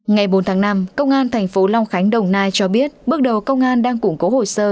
ngày bốn tháng năm công an thành phố long khánh đồng nai cho biết bước đầu công an đang củng cố hồ sơ